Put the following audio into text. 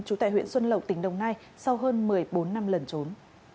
trú tại huyện xuân lộc tỉnh đồng nai sau hơn một mươi bốn năm lần trốn